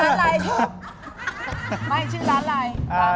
เล่าไปแล้วชื่อร้านอะไรบั้ม